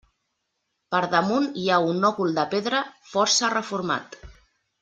Per damunt hi ha un òcul de pedra força reformat.